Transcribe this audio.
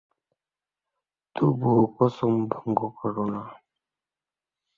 তবুও কসম ভঙ্গ করো না।